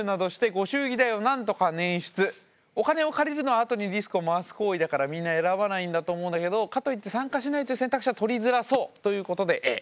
お金を借りるのはあとにリスクを回す行為だからみんな選ばないんだと思うんだけどかといって参加しないって選択肢は取りづらそうということでＡ。